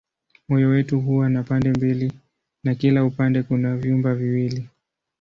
Moyo wetu huwa na pande mbili na kila upande kuna vyumba viwili.